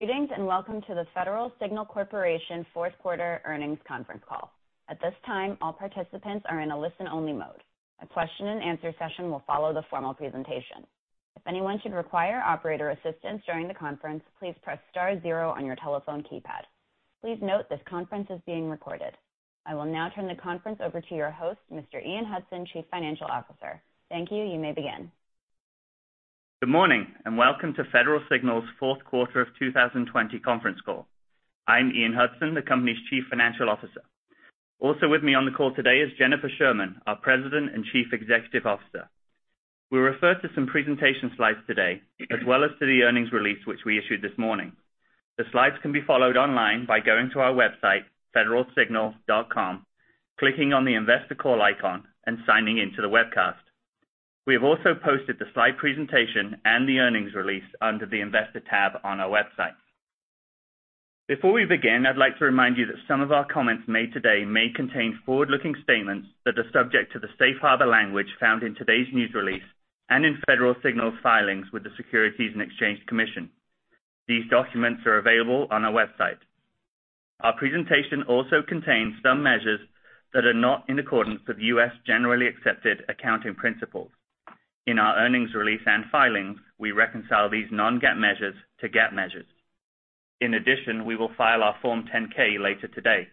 Greetings. Welcome to the Federal Signal Corporation Fourth Quarter Earnings Conference Call. At this time, all participants are in a listen only mode. A question-and-answer session will follow the formal presentation. If anyone should require operator assistance during the conference call, please press star zero on your telephone keypad. Please note this conference is being recorded. I will now turn the conference over to your host, Mr. Ian Hudson, Chief Financial Officer. Good morning, and welcome to Federal Signal's fourth quarter of 2020 conference call. I'm Ian Hudson, the company's Chief Financial Officer. Also with me on the call today is Jennifer Sherman, our President and Chief Executive Officer. We'll refer to some presentation slides today, as well as to the earnings release, which we issued this morning. The slides can be followed online by going to our website, federalsignal.com, clicking on the Investor Call icon, and signing in to the webcast. We have also posted the slide presentation and the earnings release under the Investor tab on our website. Before we begin, I'd like to remind you that some of our comments made today may contain forward-looking statements that are subject to the Safe Harbor language found in today's news release and in Federal Signal's filings with the Securities and Exchange Commission. These documents are available on our website. Our presentation also contains some measures that are not in accordance with U.S. Generally Accepted Accounting Principles. In our earnings release and filings, we reconcile these non-GAAP measures to GAAP measures. In addition, we will file our Form 10-K later today.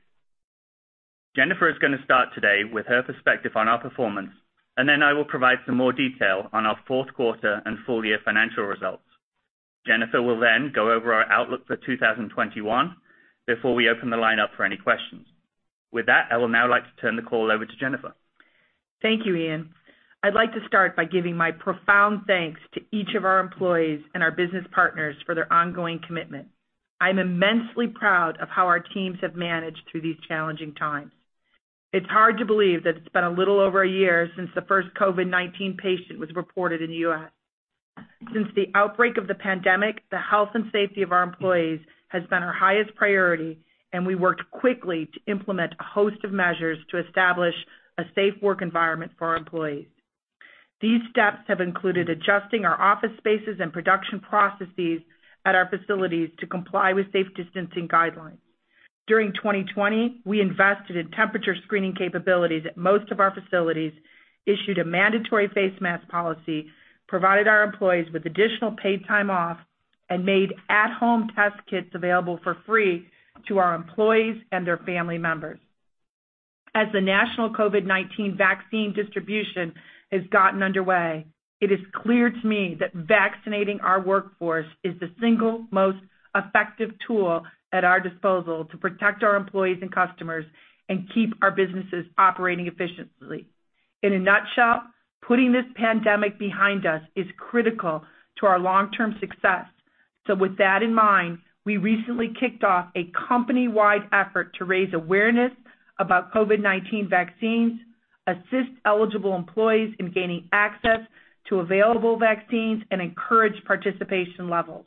Jennifer is going to start today with her perspective on our performance. I will provide some more detail on our fourth quarter and full year financial results. Jennifer will go over our outlook for 2021, before we open the line up for any questions. With that, I will now like to turn the call over to Jennifer. Thank you, Ian. I'd like to start by giving my profound thanks to each of our employees and our business partners for their ongoing commitment. I'm immensely proud of how our teams have managed through these challenging times. It's hard to believe that it's been a little over a year since the first COVID-19 patient was reported in the U.S. Since the outbreak of the pandemic, the health and safety of our employees has been our highest priority, and we worked quickly to implement a host of measures to establish a safe work environment for our employees. These steps have included adjusting our office spaces and production processes at our facilities to comply with safe distancing guidelines. During 2020, we invested in temperature screening capabilities at most of our facilities, issued a mandatory face mask policy, provided our employees with additional paid time off, and made at home test kits available for free to our employees and their family members. As the national COVID-19 vaccine distribution has gotten underway, it is clear to me that vaccinating our workforce is the single most effective tool at our disposal to protect our employees and customers and keep our businesses operating efficiently. In a nutshell, putting this pandemic behind us is critical to our long-term success. With that in mind, we recently kicked off a company-wide effort to raise awareness about COVID-19 vaccines, assist eligible employees in gaining access to available vaccines, and encourage participation levels.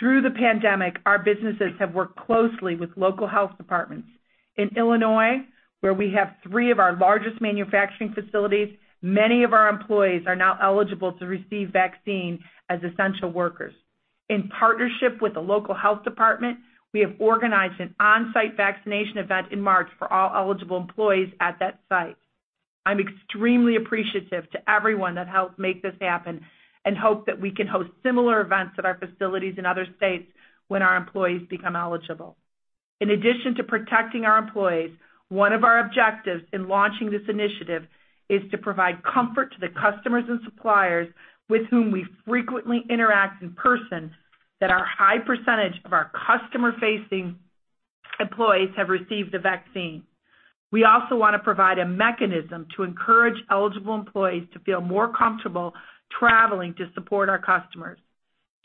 Through the pandemic, our businesses have worked closely with local health departments. In Illinois, where we have three of our largest manufacturing facilities, many of our employees are now eligible to receive vaccine as essential workers. In partnership with the local health department, we have organized an on-site vaccination event in March for all eligible employees at that site. I'm extremely appreciative to everyone that helped make this happen and hope that we can host similar events at our facilities in other states when our employees become eligible. In addition to protecting our employees, one of our objectives in launching this initiative is to provide comfort to the customers and suppliers with whom we frequently interact in person that our high percentage of our customer facing employees have received the vaccine. We also want to provide a mechanism to encourage eligible employees to feel more comfortable traveling to support our customers.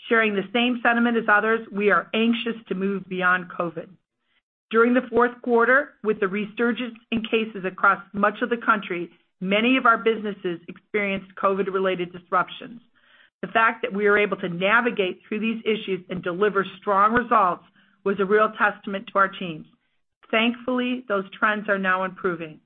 Sharing the same sentiment as others, we are anxious to move beyond COVID. During the fourth quarter, with the resurgence in cases across much of the country, many of our businesses experienced COVID related disruptions. The fact that we were able to navigate through these issues and deliver strong results was a real testament to our teams. Thankfully, those trends are now improving.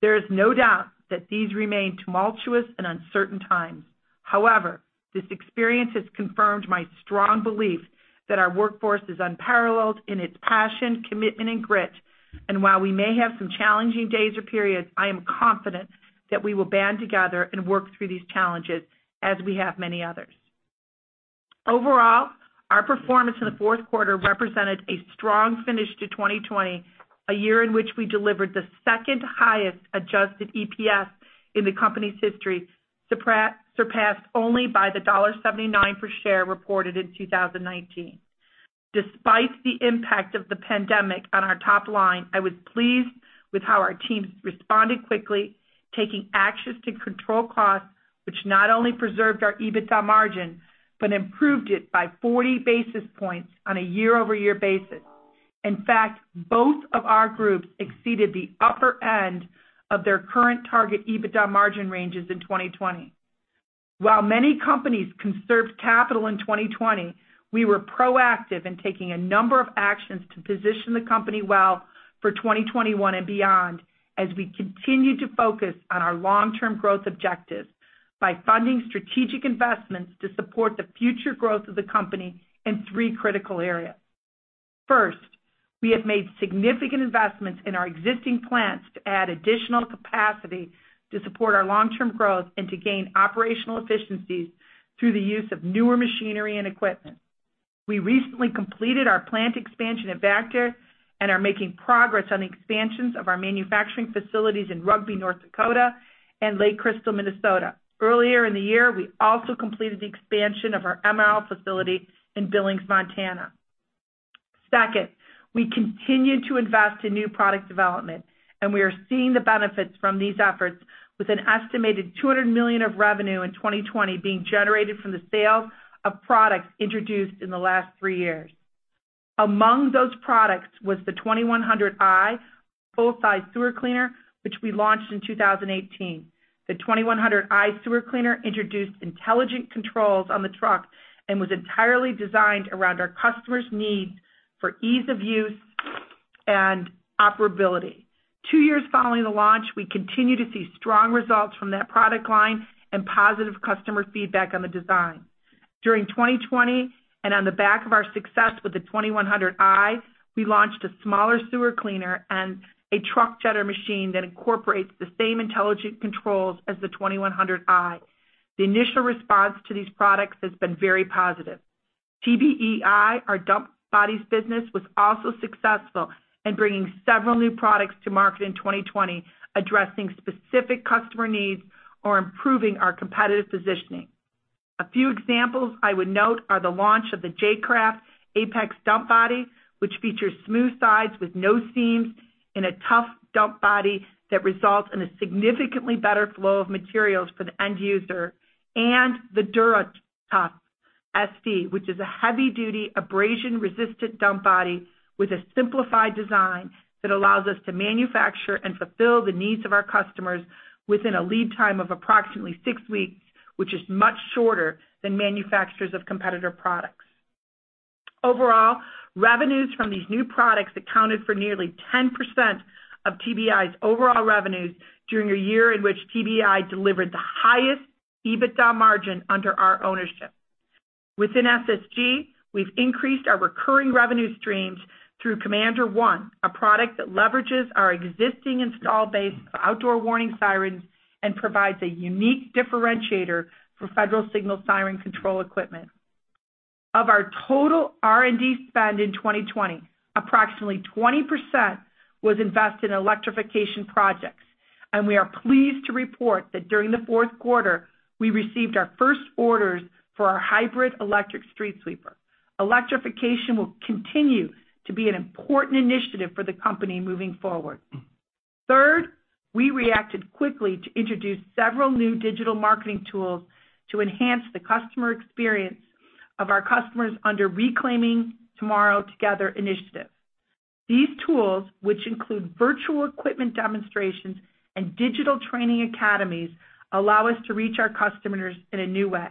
There is no doubt that these remain tumultuous and uncertain times. However, this experience has confirmed my strong belief that our workforce is unparalleled in its passion, commitment, and grit. While we may have some challenging days or periods, I am confident that we will band together and work through these challenges as we have many others. Overall, our performance in the fourth quarter represented a strong finish to 2020, a year in which we delivered the second highest adjusted EPS in the company's history, surpassed only by the $1.79 per share reported in 2019. Despite the impact of the pandemic on our top line, I was pleased with how our teams responded quickly, taking actions to control costs, which not only preserved our EBITDA margin, but improved it by 40 basis points on a year-over-year basis. In fact, both of our groups exceeded the upper end of their current target EBITDA margin ranges in 2020. While many companies conserved capital in 2020, we were proactive in taking a number of actions to position the company well for 2021 and beyond as we continue to focus on our long-term growth objectives by funding strategic investments to support the future growth of the company in three critical areas. First, we have made significant investments in our existing plants to add additional capacity to support our long-term growth and to gain operational efficiencies through the use of newer machinery and equipment. We recently completed our plant expansion at Vactor, and are making progress on the expansions of our manufacturing facilities in Rugby, North Dakota and Lake Crystal, Minnesota. Earlier in the year, we also completed the expansion of our MRL facility in Billings, Montana. Second, we continue to invest in new product development, and we are seeing the benefits from these efforts with an estimated $200 million of revenue in 2020 being generated from the sale of products introduced in the last three years. Among those products was the 2100i full-size sewer cleaner, which we launched in 2018. The 2100i sewer cleaner introduced intelligent controls on the truck and was entirely designed around our customers' needs for ease of use and operability. Two years following the launch, we continue to see strong results from that product line and positive customer feedback on the design. During 2020, and on the back of our success with the 2100i, we launched a smaller sewer cleaner and a truck jetter machine that incorporates the same intelligent controls as the 2100i. The initial response to these products has been very positive. TBEI, our dump bodies business, was also successful in bringing several new products to market in 2020, addressing specific customer needs or improving our competitive positioning. A few examples I would note are the launch of the J-CRAFT Apex dump body, which features smooth sides with no seams in a tough dump body that results in a significantly better flow of materials for the end user, and the DuraTuff SD, which is a heavy-duty, abrasion-resistant dump body with a simplified design that allows us to manufacture and fulfill the needs of our customers within a lead time of approximately six weeks, which is much shorter than manufacturers of competitor products. Overall, revenues from these new products accounted for nearly 10% of TBEI's overall revenues during a year in which TBEI delivered the highest EBITDA margin under our ownership. Within SSG, we've increased our recurring revenue streams through CommanderOne, a product that leverages our existing install base of outdoor warning sirens and provides a unique differentiator for Federal Signal siren control equipment. Of our total R&D spend in 2020, approximately 20% was invested in electrification projects. We are pleased to report that during the fourth quarter, we received our first orders for our hybrid electric street sweeper. Electrification will continue to be an important initiative for the company moving forward. Third, we reacted quickly to introduce several new digital marketing tools to enhance the customer experience of our customers under Reclaiming Tomorrow, Together initiative. These tools, which include virtual equipment demonstrations and digital training academies, allow us to reach our customers in a new way.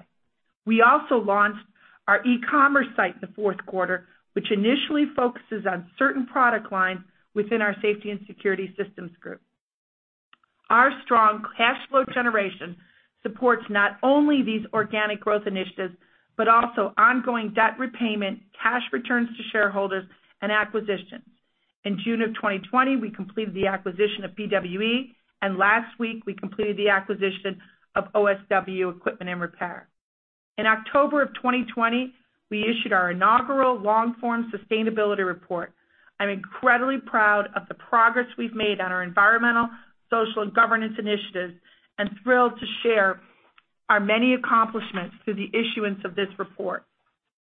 We also launched our e-commerce site in the fourth quarter, which initially focuses on certain product lines within our Safety and Security Systems Group. Our strong cash flow generation supports not only these organic growth initiatives, but also ongoing debt repayment, cash returns to shareholders, and acquisitions. In June of 2020, we completed the acquisition of PWE. Last week, we completed the acquisition of OSW Equipment and Repair. In October of 2020, we issued our inaugural long form Sustainability Report. I'm incredibly proud of the progress we've made on our Environmental, Social, and Governance initiatives. Thrilled to share our many accomplishments through the issuance of this report.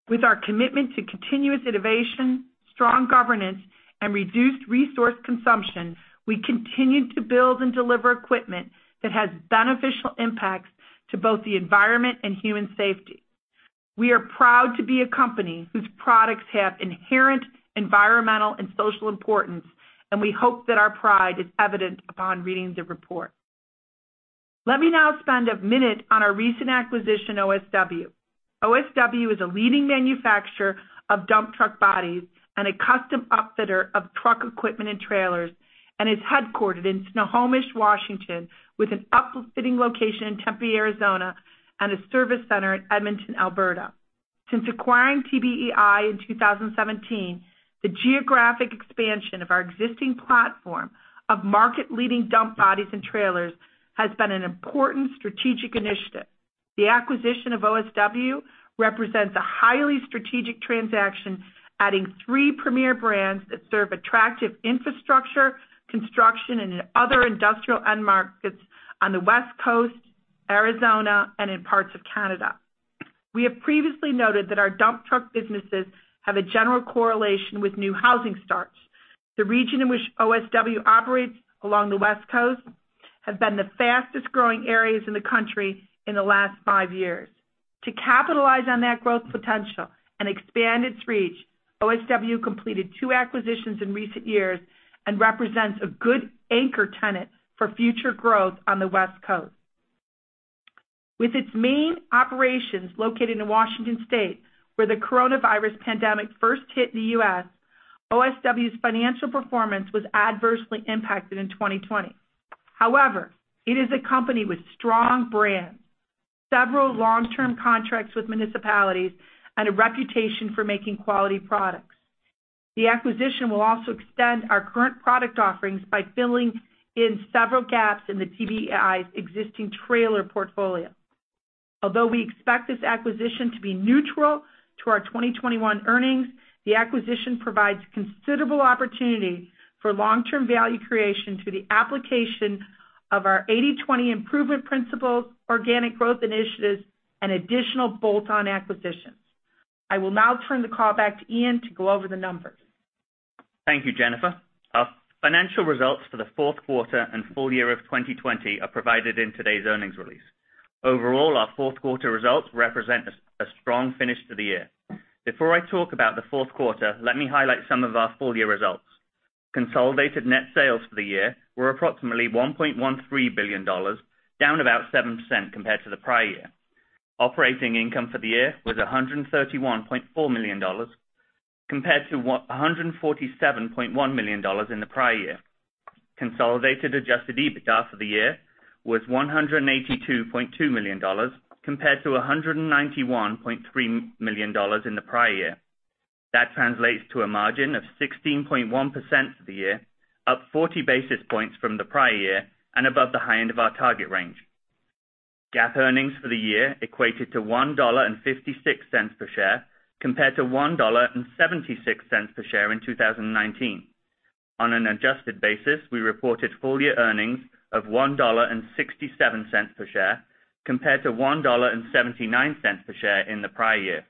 With our commitment to continuous innovation, strong governance, and reduced resource consumption, we continue to build and deliver equipment that has beneficial impacts to both the environment and human safety. We are proud to be a company whose products have inherent environmental and social importance, and we hope that our pride is evident upon reading the report. Let me now spend a minute on our recent acquisition, OSW. OSW is a leading manufacturer of dump truck bodies and a custom upfitter of truck equipment and trailers, and is headquartered in Snohomish, Washington, with an upfitting location in Tempe, Arizona, and a service center in Edmonton, Alberta. Since acquiring TBEI in 2017, the geographic expansion of our existing platform of market leading dump bodies and trailers has been an important strategic initiative. The acquisition of OSW represents a highly strategic transaction, adding three premier brands that serve attractive infrastructure, construction, and other industrial end markets on the West Coast, Arizona, and in parts of Canada. We have previously noted that our dump truck businesses have a general correlation with new housing starts. The region in which OSW operates along the West Coast have been the fastest growing areas in the country in the last five years. To capitalize on that growth potential and expand its reach, OSW completed two acquisitions in recent years and represents a good anchor tenant for future growth on the West Coast. With its main operations located in Washington State, where the coronavirus pandemic first hit the U.S., OSW's financial performance was adversely impacted in 2020. However, it is a company with strong brands. Several long-term contracts with municipalities and a reputation for making quality products. The acquisition will also extend our current product offerings by filling in several gaps in the TBEI's existing trailer portfolio. Although we expect this acquisition to be neutral to our 2021 earnings, the acquisition provides considerable opportunity for long-term value creation through the application of our 80/20 improvement principles, organic growth initiatives, and additional bolt-on acquisitions. I will now turn the call back to Ian to go over the numbers. Thank you, Jennifer. Our financial results for the fourth quarter and full year of 2020 are provided in today's earnings release. Overall, our fourth quarter results represent a strong finish to the year. Before I talk about the fourth quarter, let me highlight some of our full year results. Consolidated net sales for the year were approximately $1.13 billion, down about 7% compared to the prior year. Operating income for the year was $131.4 million, compared to $147.1 million in the prior year. Consolidated adjusted EBITDA for the year was $182.2 million, compared to $191.3 million in the prior year. That translates to a margin of 16.1% for the year, up 40 basis points from the prior year, and above the high end of our target range. GAAP earnings for the year equated to $1.56 per share, compared to $1.76 per share in 2019. On an adjusted basis, we reported full year earnings of $1.67 per share, compared to $1.79 per share in the prior year.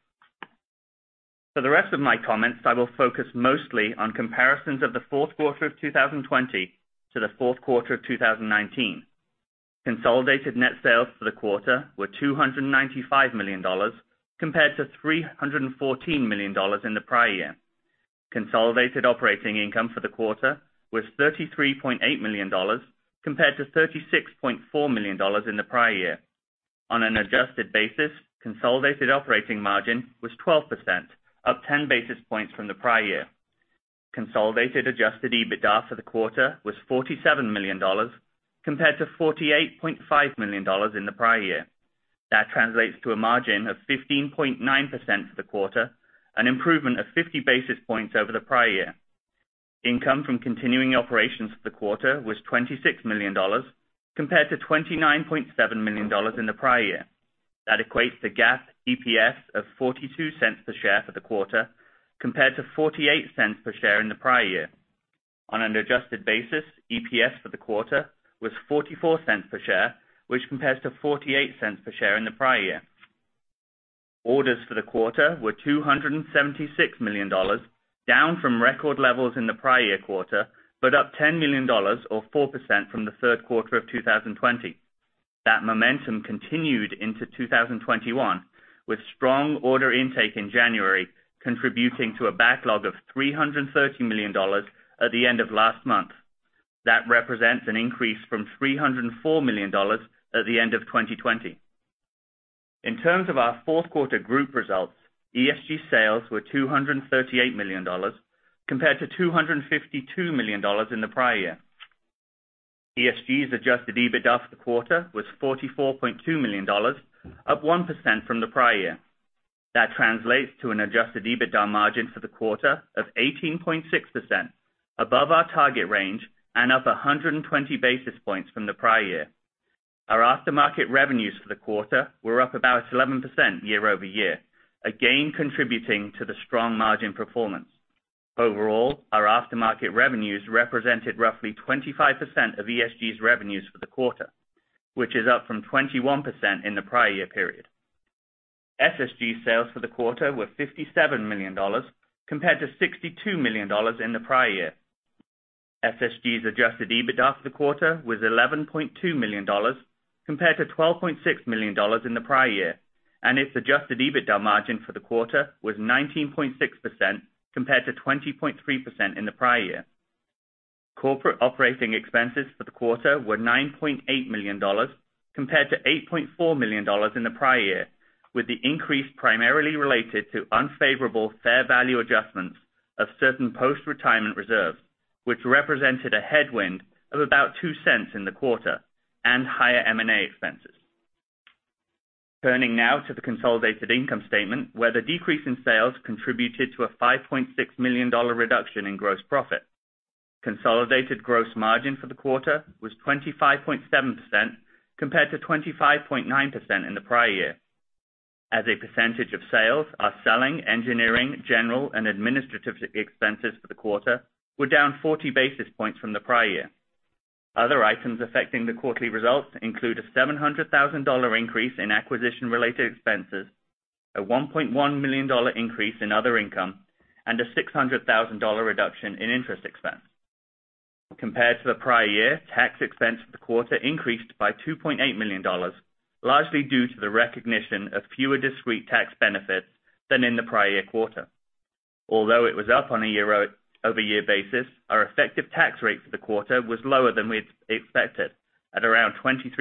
For the rest of my comments, I will focus mostly on comparisons of the fourth quarter of 2020 to the fourth quarter of 2019. Consolidated net sales for the quarter were $295 million, compared to $314 million in the prior year. Consolidated operating income for the quarter was $33.8 million, compared to $36.4 million in the prior year. On an adjusted basis, consolidated operating margin was 12%, up 10 basis points from the prior year. Consolidated adjusted EBITDA for the quarter was $47 million, compared to $48.5 million in the prior year. That translates to a margin of 15.9% for the quarter, an improvement of 50 basis points over the prior year. Income from continuing operations for the quarter was $26 million, compared to $29.7 million in the prior year. That equates to GAAP EPS of $0.42 per share for the quarter, compared to $0.48 per share in the prior year. On an adjusted basis, EPS for the quarter was $0.44 per share, which compares to $0.48 per share in the prior year. Orders for the quarter were $276 million, down from record levels in the prior year quarter, but up $10 million or 4% from the third quarter of 2020. That momentum continued into 2021, with strong order intake in January contributing to a backlog of $330 million at the end of last month. That represents an increase from $304 million at the end of 2020. In terms of our fourth quarter group results, ESG sales were $238 million, compared to $252 million in the prior year. ESG's adjusted EBITDA for the quarter was $44.2 million, up 1% from the prior year. That translates to an adjusted EBITDA margin for the quarter of 18.6%, above our target range and up 120 basis points from the prior year. Our aftermarket revenues for the quarter were up about 11% year-over-year, again, contributing to the strong margin performance. Overall, our aftermarket revenues represented roughly 25% of ESG's revenues for the quarter, which is up from 21% in the prior year period. SSG's sales for the quarter were $57 million, compared to $62 million in the prior year. SSG's adjusted EBITDA for the quarter was $11.2 million, compared to $12.6 million in the prior year. Its adjusted EBITDA margin for the quarter was 19.6%, compared to 20.3% in the prior year. Corporate operating expenses for the quarter were $9.8 million, compared to $8.4 million in the prior year, with the increase primarily related to unfavorable fair value adjustments of certain post-retirement reserves, which represented a headwind of about $0.02 in the quarter and higher M&A expenses. Turning now to the consolidated income statement, where the decrease in sales contributed to a $5.6 million reduction in gross profit. Consolidated gross margin for the quarter was 25.7%, compared to 25.9% in the prior year. As a percentage of sales, our selling, engineering, general, and administrative expenses for the quarter were down 40 basis points from the prior year. Other items affecting the quarterly results include a $700,000 increase in acquisition-related expenses, a $1.1 million increase in other income, and a $600,000 reduction in interest expense. Compared to the prior year, tax expense for the quarter increased by $2.8 million, largely due to the recognition of fewer discrete tax benefits than in the prior year quarter. Although it was up on a year-over-year basis, our effective tax rate for the quarter was lower than we had expected at around 23%,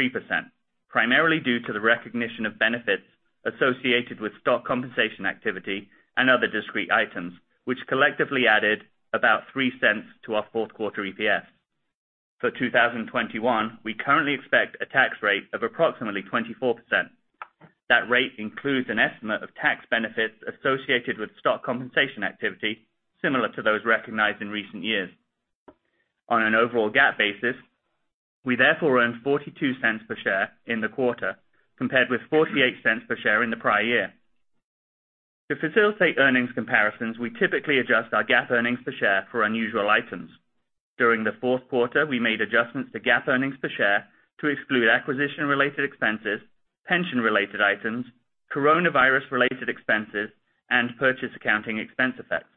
primarily due to the recognition of benefits associated with stock compensation activity and other discrete items, which collectively added about $0.03 to our fourth quarter EPS. For 2021, we currently expect a tax rate of approximately 24%. That rate includes an estimate of tax benefits associated with stock compensation activity, similar to those recognized in recent years. On an overall GAAP basis, we therefore earned $0.42 per share in the quarter, compared with $0.48 per share in the prior year. To facilitate earnings comparisons, we typically adjust our GAAP earnings per share for unusual items. During the fourth quarter, we made adjustments to GAAP earnings per share to exclude acquisition-related expenses, pension-related items, coronavirus-related expenses, and purchase accounting expense effects.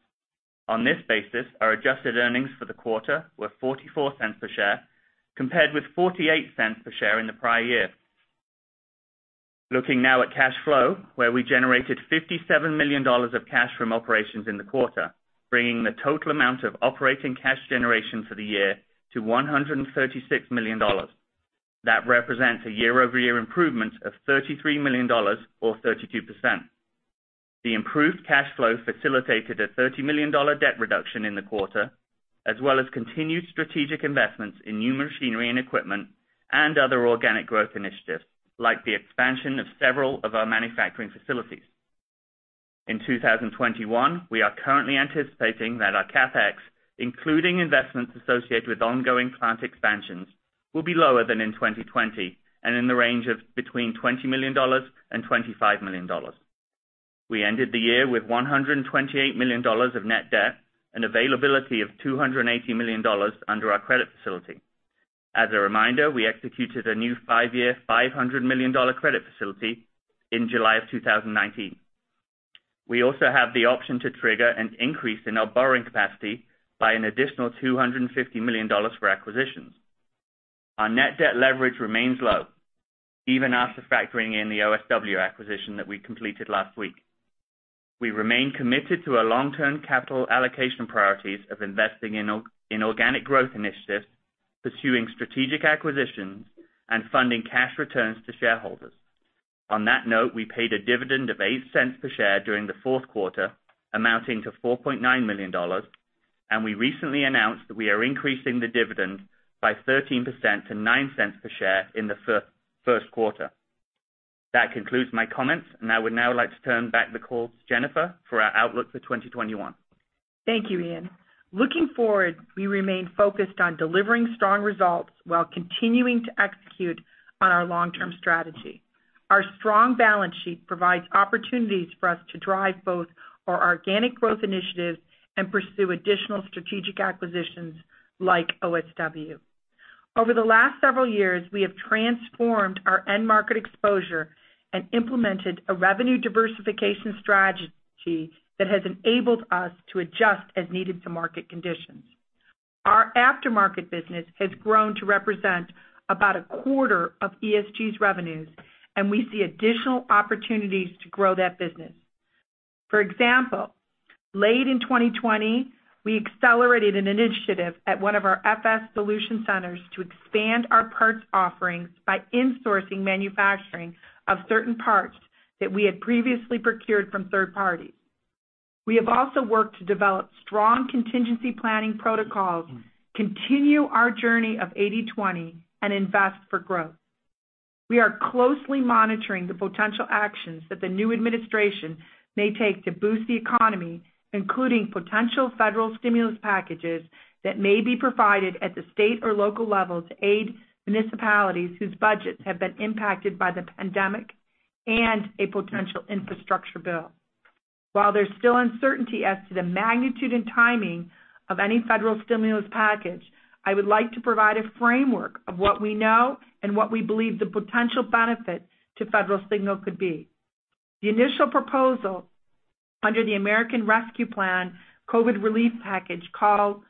On this basis, our adjusted earnings for the quarter were $0.44 per share, compared with $0.48 per share in the prior year. Looking now at cash flow, where we generated $57 million of cash from operations in the quarter, bringing the total amount of operating cash generation for the year to $136 million. That represents a year-over-year improvement of $33 million, or 32%. The improved cash flow facilitated a $30 million debt reduction in the quarter, as well as continued strategic investments in new machinery and equipment and other organic growth initiatives, like the expansion of several of our manufacturing facilities. In 2021, we are currently anticipating that our CapEx, including investments associated with ongoing plant expansions, will be lower than in 2020, and in the range of between $20 million and $25 million. We ended the year with $128 million of net debt, and availability of $280 million under our credit facility. As a reminder, we executed a new five-year, $500 million credit facility in July of 2019. We also have the option to trigger an increase in our borrowing capacity by an additional $250 million for acquisitions. Our net debt leverage remains low, even after factoring in the OSW acquisition that we completed last week. We remain committed to our long-term capital allocation priorities of investing in organic growth initiatives, pursuing strategic acquisitions, and funding cash returns to shareholders. On that note, we paid a dividend of $0.08 per share during the fourth quarter, amounting to $4.9 million, and we recently announced that we are increasing the dividend by 13% to $0.09 per share in the first quarter. That concludes my comments, I would now like to turn back the call to Jennifer for our outlook for 2021. Thank you, Ian. Looking forward, we remain focused on delivering strong results while continuing to execute on our long-term strategy. Our strong balance sheet provides opportunities for us to drive both our organic growth initiatives and pursue additional strategic acquisitions like OSW. Over the last several years, we have transformed our end market exposure and implemented a revenue diversification strategy that has enabled us to adjust as needed to market conditions. Our aftermarket business has grown to represent about a quarter of ESG's revenues, and we see additional opportunities to grow that business. For example, late in 2020, we accelerated an initiative at one of our FS Solution centers to expand our parts offerings by insourcing manufacturing of certain parts that we had previously procured from third parties. We have also worked to develop strong contingency planning protocols, continue our journey of 80/20, and invest for growth. We are closely monitoring the potential actions that the new administration may take to boost the economy, including potential federal stimulus packages that may be provided at the state or local level to aid municipalities whose budgets have been impacted by the pandemic, and a potential infrastructure bill. While there's still uncertainty as to the magnitude and timing of any federal stimulus package, I would like to provide a framework of what we know and what we believe the potential benefit to Federal Signal could be. The initial proposal under the American Rescue Plan COVID relief package call for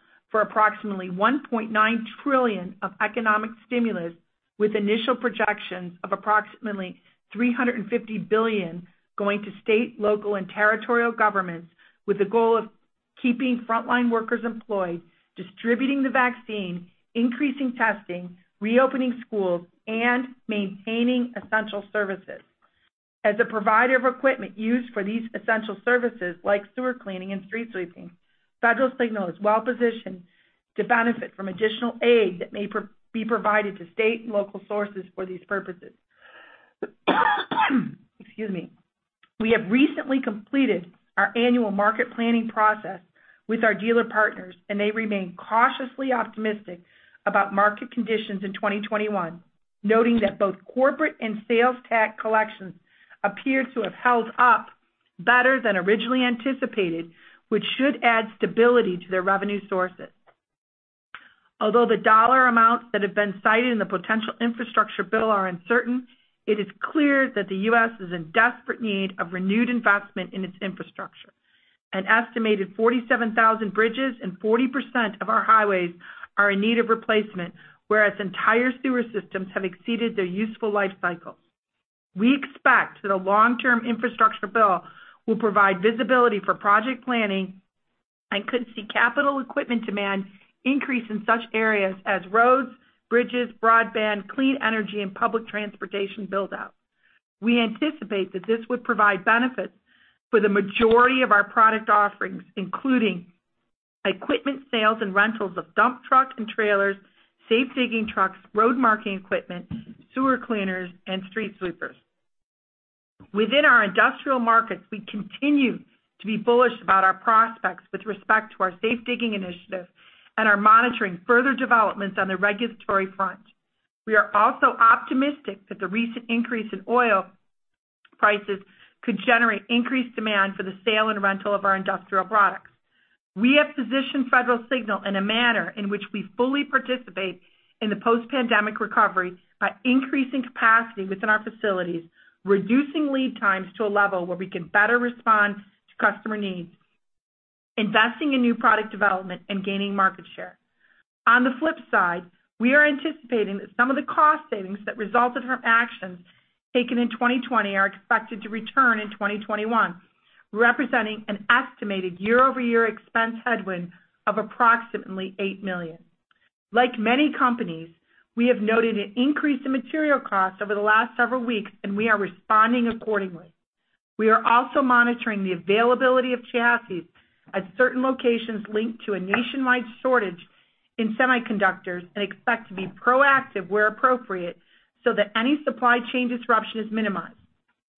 approximately $1.9 trillion of economic stimulus, with initial projections of approximately $350 billion going to state, local, and territorial governments with the goal of keeping frontline workers employed, distributing the vaccine, increasing testing, reopening schools, and maintaining essential services. As a provider of equipment used for these essential services, like sewer cleaning and street sweeping, Federal Signal is well-positioned to benefit from additional aid that may be provided to state and local sources for these purposes. Excuse me. We have recently completed our annual market planning process with our dealer partners. They remain cautiously optimistic about market conditions in 2021, noting that both corporate and sales tax collections appear to have held up better than originally anticipated, which should add stability to their revenue sources. Although the dollar amounts that have been cited in the potential infrastructure bill are uncertain, it is clear that the U.S. is in desperate need of renewed investment in its infrastructure. An estimated 47,000 bridges and 40% of our highways are in need of replacement, whereas entire sewer systems have exceeded their useful life cycles. We expect that a long-term infrastructure bill will provide visibility for project planning and could see capital equipment demand increase in such areas as roads, bridges, broadband, clean energy, and public transportation build-out. We anticipate that this would provide benefits for the majority of our product offerings, including equipment sales and rentals of dump truck and trailers, safe digging trucks, road marking equipment, sewer cleaners, and street sweepers. Within our industrial markets, we continue to be bullish about our prospects with respect to our safe digging initiative and are monitoring further developments on the regulatory front. We are also optimistic that the recent increase in oil prices could generate increased demand for the sale and rental of our industrial products. We have positioned Federal Signal in a manner in which we fully participate in the post-pandemic recovery by increasing capacity within our facilities, reducing lead times to a level where we can better respond to customer needs, investing in new product development, and gaining market share. On the flip side, we are anticipating that some of the cost savings that resulted from actions taken in 2020 are expected to return in 2021, representing an estimated year-over-year expense headwind of approximately $8 million. Like many companies, we have noted an increase in material costs over the last several weeks, and we are responding accordingly. We are also monitoring the availability of chassis at certain locations linked to a nationwide shortage in semiconductors and expect to be proactive where appropriate so that any supply chain disruption is minimized.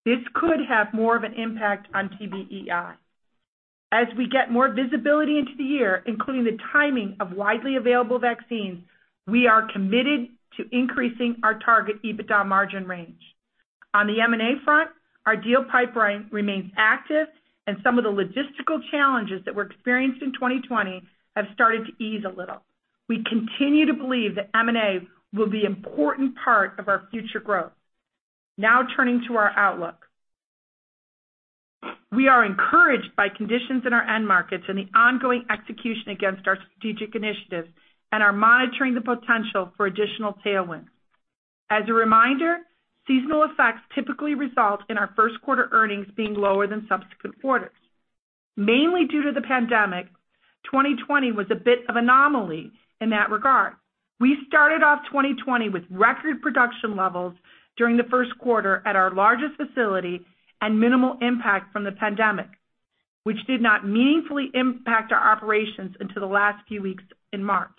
This could have more of an impact on TBEI. As we get more visibility into the year, including the timing of widely available vaccines, we are committed to increasing our target EBITDA margin range. On the M&A front, our deal pipeline remains active, and some of the logistical challenges that were experienced in 2020 have started to ease a little. We continue to believe that M&A will be important part of our future growth. Now turning to our outlook. We are encouraged by conditions in our end markets and the ongoing execution against our strategic initiatives and are monitoring the potential for additional tailwinds. As a reminder, seasonal effects typically result in our first quarter earnings being lower than subsequent quarters. Mainly due to the pandemic, 2020 was a bit of anomaly in that regard. We started off 2020 with record production levels during the first quarter at our largest facility and minimal impact from the pandemic, which did not meaningfully impact our operations until the last few weeks in March.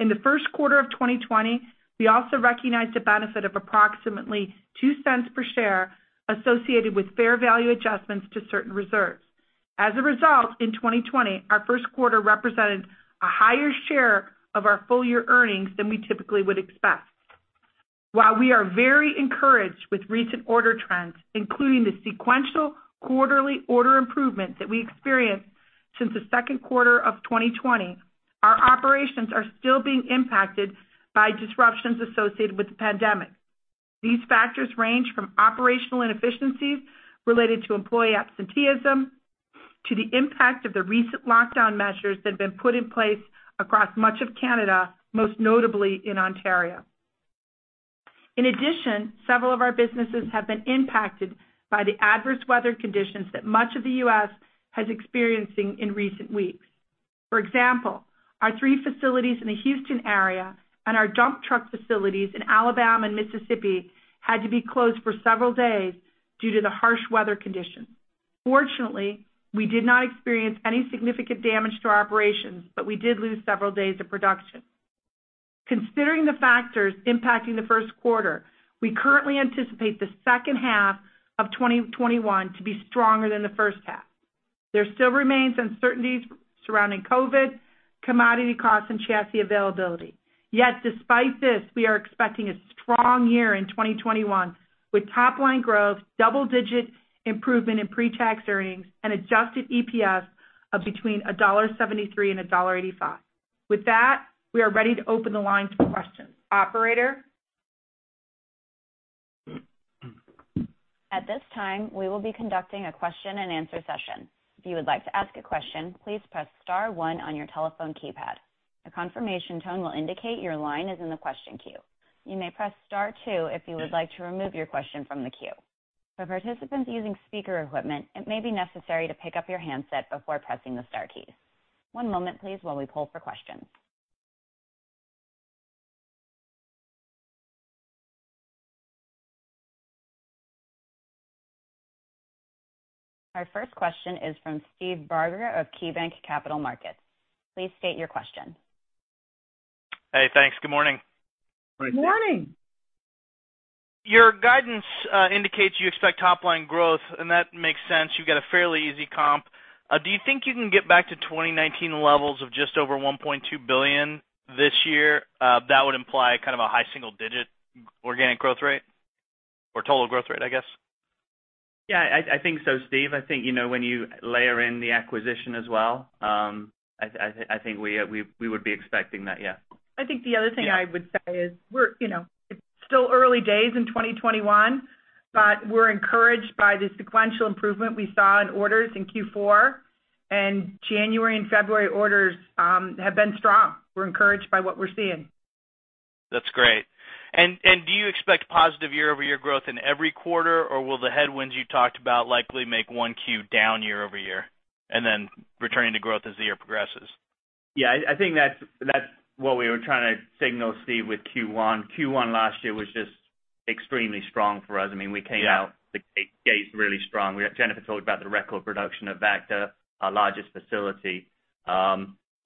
In the first quarter of 2020, we also recognized a benefit of approximately $0.02 per share associated with fair value adjustments to certain reserves. As a result, in 2020, our first quarter represented a higher share of our full year earnings than we typically would expect. While we are very encouraged with recent order trends, including the sequential quarterly order improvements that we experienced since the second quarter of 2020, our operations are still being impacted by disruptions associated with the pandemic. These factors range from operational inefficiencies related to employee absenteeism to the impact of the recent lockdown measures that have been put in place across much of Canada, most notably in Ontario. In addition, several of our businesses have been impacted by the adverse weather conditions that much of the U.S. has experiencing in recent weeks. For example, our three facilities in the Houston area and our dump truck facilities in Alabama and Mississippi had to be closed for several days due to the harsh weather conditions. Fortunately, we did not experience any significant damage to our operations, but we did lose several days of production. Considering the factors impacting the first quarter, we currently anticipate the second half of 2021 to be stronger than the first half. There still remains uncertainties surrounding COVID, commodity costs, and chassis availability. Yet despite this, we are expecting a strong year in 2021 with top-line growth, double-digit improvement in pre-tax earnings, and adjusted EPS of between $1.73 and $1.85. With that, we are ready to open the line to questions. Operator? At this time, we will be conducting a question-and-answer session. If you would like to ask a question, please press star one on your telephone keypad. A confirmation tone will indicate your line is in the question queue. You may press star two if you would like to remove your question from the queue. For participants using speaker equipment, it may be necessary to pick up your handset before pressing the star keys. One moment please while we pull for questions. Our first question is from Steve Barger of KeyBanc Capital Markets. Please state your question. Hey, thanks. Good morning. Good morning. Your guidance indicates you expect top-line growth, that makes sense. You've got a fairly easy comp. Do you think you can get back to 2019 levels of just over $1.2 billion this year? That would imply kind of a high single-digit organic growth rate or total growth rate, I guess? Yeah, I think so, Steve. I think, you know, when you layer in the acquisition as well, I think we would be expecting that. Yeah. I think the other thing I would say is we're, you know, it's still early days in 2021, but we're encouraged by the sequential improvement we saw in orders in Q4, and January and February orders have been strong. We're encouraged by what we're seeing. That's great. Do you expect positive year-over-year growth in every quarter, or will the headwinds you talked about likely make 1Q down year-over-year, and then returning to growth as the year progresses? Yeah, I think that's what we were trying to signal, Steve, with Q1. Q1 last year was just extremely strong for us. We- Yeah.... came out the gate really strong. Jennifer told you about the record production of Vactor, our largest facility.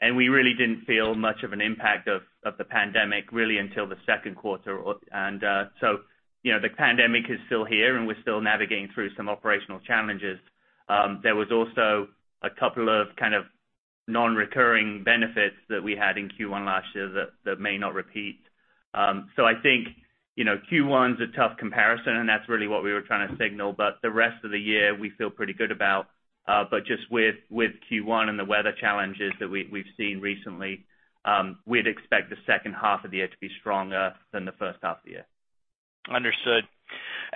We really didn't feel much of an impact of the pandemic, really, until the second quarter. The pandemic is still here, and we're still navigating through some operational challenges. There was also a couple of kind of non-recurring benefits that we had in Q1 last year that may not repeat. I think, Q1's a tough comparison, and that's really what we were trying to signal. The rest of the year, we feel pretty good about. Just with Q1 and the weather challenges that we've seen recently, we'd expect the second half of the year to be stronger than the first half of the year. Understood.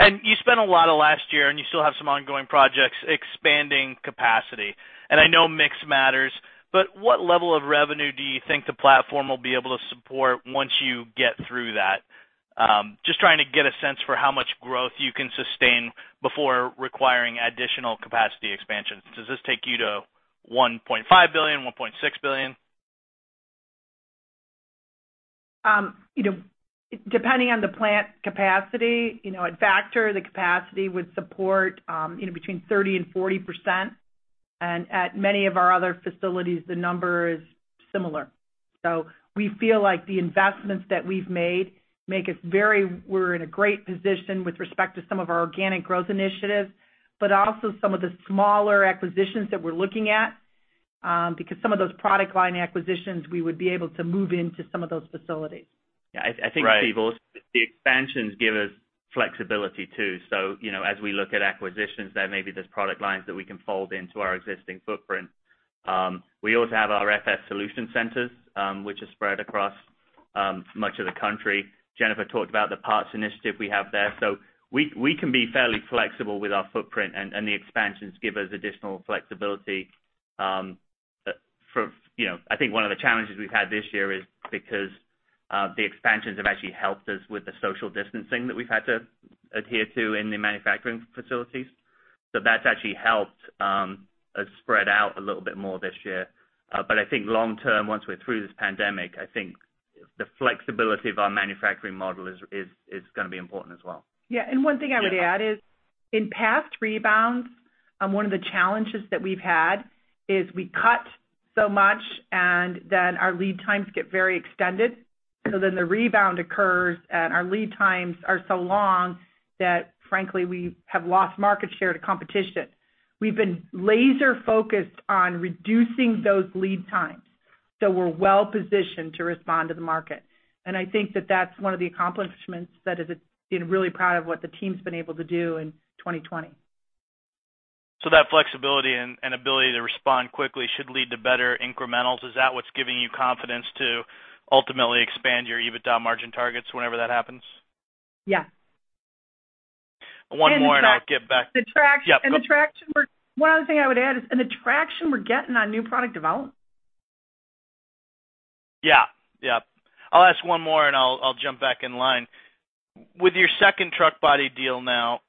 You spent a lot of last year, and you still have some ongoing projects expanding capacity. I know mix matters, but what level of revenue do you think the platform will be able to support once you get through that? Just trying to get a sense for how much growth you can sustain before requiring additional capacity expansions. Does this take you to $1.5 billion, $1.6 billion? Depending on the plant capacity. At Vactor, the capacity would support between 30% and 40%. At many of our other facilities, the number is similar. We feel like the investments that we've made, we're in a great position with respect to some of our organic growth initiatives, but also some of the smaller acquisitions that we're looking at. Some of those product line acquisitions, we would be able to move into some of those facilities. Yeah, I think- Right.... Steve, also the expansions give us flexibility, too. As we look at acquisitions, there may be those product lines that we can fold into our existing footprint. We also have our FS Solution centers, which are spread across much of the country. Jennifer talked about the parts initiative we have there. We can be fairly flexible with our footprint, and the expansions give us additional flexibility. I think one of the challenges we've had this year is because the expansions have actually helped us with the social distancing that we've had to adhere to in the manufacturing facilities. That's actually helped us spread out a little bit more this year. I think long term, once we're through this pandemic, I think the flexibility of our manufacturing model is going to be important as well. Yeah. One thing I would add is, in past rebounds, one of the challenges that we've had is we cut so much. Then, our lead times get very extended. The rebound occurs. Our lead times are so long that frankly, we have lost market share to competition. We've been laser focused on reducing those lead times. We're well positioned to respond to the market. I think that that's one of the accomplishments that I've been really proud of what the team's been able to do in 2020. That flexibility and ability to respond quickly should lead to better incrementals. Is that what's giving you confidence to ultimately expand your EBITDA margin targets whenever that happens? Yeah. One more, and I'll get back. The traction. One other thing I would add is, and the traction we're getting on new product development. Yeah. Yeah. I'll ask one more, and I'll jump back in line. With your second truck body deal now,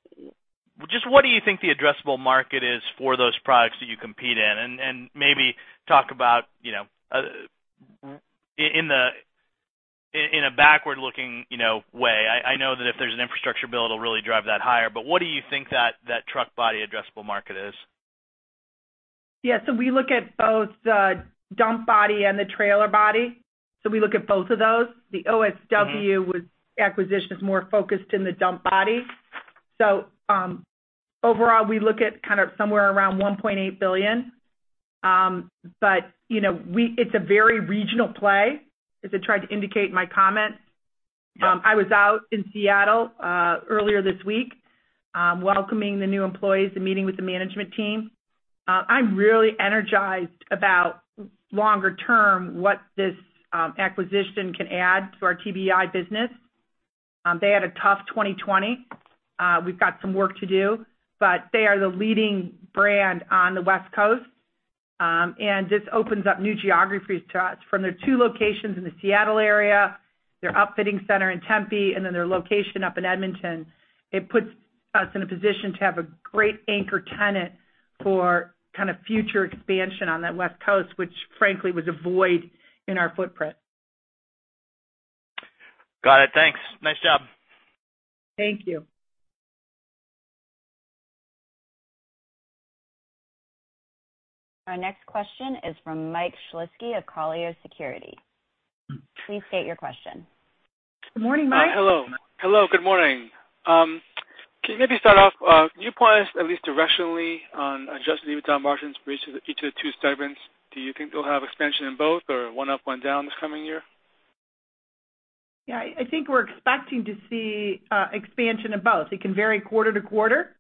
just what do you think the addressable market is for those products that you compete in? Maybe talk about, in a backward-looking way. I know that if there's an infrastructure build, it'll really drive that higher, but what do you think that truck body addressable market is? Yeah. We look at both the dump body and the trailer body. We look at both of those. The OSW acquisition is more focused in the dump body. Overall, we look at kind of somewhere around $1.8 billion. It's a very regional play, as I tried to indicate in my comments. I was out in Seattle earlier this week, welcoming the new employees and meeting with the management team. I'm really energized about, longer term, what this acquisition can add to our TBEI business. They had a tough 2020. We've got some work to do, but they are the leading brand on the West Coast. This opens up new geographies to us. From their two locations in the Seattle area, their upfitting center in Tempe, and then their location up in Edmonton, it puts us in a position to have a great anchor tenant for kind of future expansion on that West Coast, which frankly, was a void in our footprint. Got it. Thanks. Nice job. Thank you. Our next question is from Mike Shlisky of Colliers Securities. Please state your question. Good morning, Mike. Hello. Hello. Good morning. Can you maybe start off, can you point us at least directionally on adjusted EBITDA margins for each of the two segments? Do you think they'll have expansion in both or one up, one down this coming year? Yeah, I think we're expecting to see expansion in both. It can vary quarter-to-quarter.